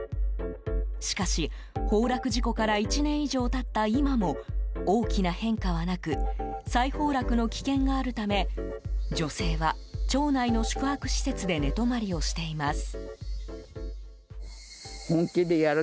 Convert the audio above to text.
しかし崩落事故から１年以上経った今も大きな変化はなく再崩落の危険があるため女性は、町内の宿泊施設で寝泊まりをしています。